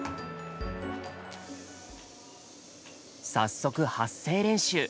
早速発声練習。